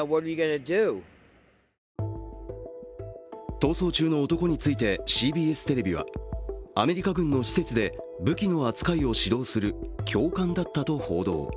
逃走中の男についてＣＢＳテレビはアメリカ軍の施設で武器の扱いを指導する教官だったと報道。